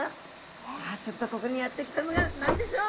さあするとここにやって来たのが何でしょう？